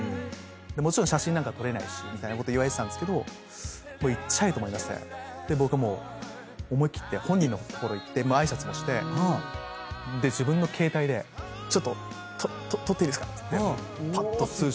もちろん写真なんか撮れないしみたいなこと言われたけど。と思いまして僕もう思い切って本人の所行って挨拶もして自分の携帯でちょっと撮っていいですかっつって。